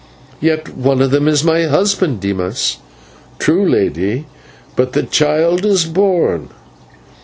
"Yet one of them is my husband, Dimas." "True, lady, but the child is born!"